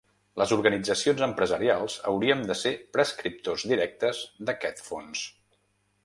Les organitzacions empresarials hauríem de ser prescriptors directes d’aquest fons.